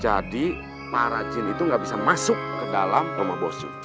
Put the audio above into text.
jadi para jin itu gak bisa masuk ke dalam rumah bosu